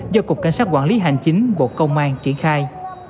do cục cảnh sát quản lý hành chính bộ công an triển khai